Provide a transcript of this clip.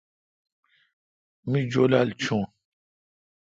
می جولال چوݨڈ۔